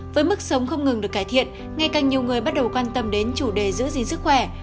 với mức sống không ngừng được cải thiện ngày càng nhiều người bắt đầu quan tâm đến chủ đề giữ gìn sức khỏe